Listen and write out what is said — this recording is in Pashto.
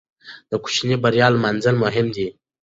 د کوچنۍ بریا لمانځل مهم دي.